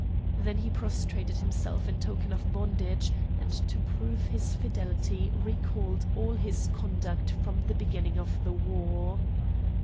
Then he prostrated himself in token of bondage, and to prove his fidelity recalled all his conduct from the beginning of the war.